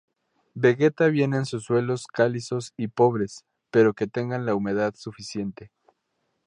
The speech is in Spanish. Vegeta bien en suelos calizos y pobres, pero que tengan la humedad suficiente.